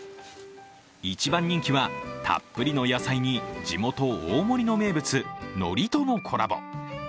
一番人気はたっぷりの野菜に地元・大森の名物、のりとのコラボ。